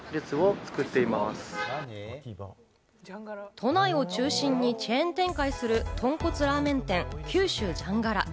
都内を中心にチェーン展開するとんこつラーメン店、九州じゃんがら。